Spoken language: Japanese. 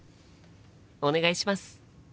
お願いします！